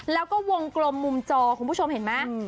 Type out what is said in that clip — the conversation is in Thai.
แล้วก็วงกลมมุมจอคุณผู้ชมเห็นไหม